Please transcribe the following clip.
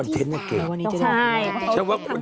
ดูหนูของเขาเลย